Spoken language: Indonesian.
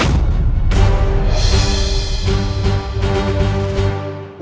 untuk menghalangi bocah itu